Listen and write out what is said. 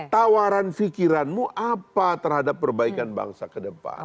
tawaran pikiranmu apa terhadap perbaikan bangsa ke depan